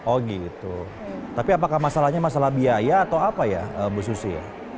oh gitu tapi apakah masalahnya masalah biaya atau apa ya bu susi